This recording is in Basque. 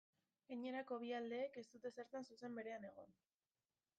Gainerako bi aldeek ez dute zertan zuzen berean egon.